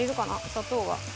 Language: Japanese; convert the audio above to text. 砂糖が。